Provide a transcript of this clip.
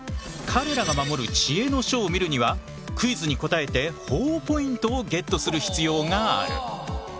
彼らが守る知恵の書を見るにはクイズに答えてほぉポイントをゲットする必要がある。